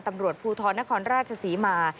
ตำรวจภูทรนครราชศรีมา